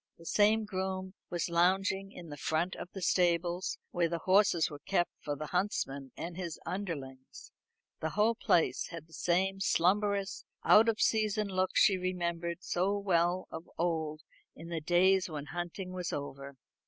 The same groom was lounging in front of the stables, where the horses were kept for the huntsman and his underlings. The whole place had the same slumberous out of season look she remembered so well of old in the days when hunting was over.